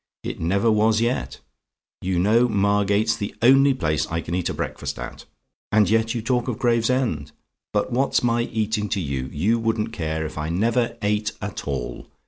It never was yet. You know Margate's the only place I can eat a breakfast at, and yet you talk of Gravesend! But what's my eating to you? You wouldn't care if I never ate at all.